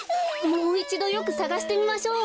もういちどよくさがしてみましょう。